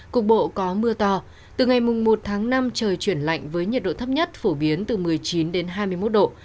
cục bộ có mưa to từ ngày một tháng năm trời chuyển lạnh với nhiệt độ thấp nhất phổ biến từ một mươi chín đến hai mươi một độ